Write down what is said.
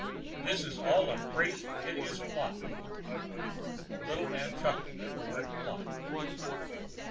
This is all a crazy, hideous plot." The little man chuckled at the word plot.